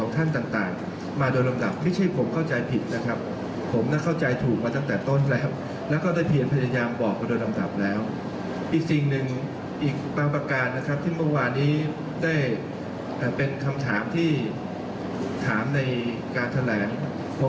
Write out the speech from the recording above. ที่เมื่อวานนี้ได้เป็นคำถามที่ถามในการแถลง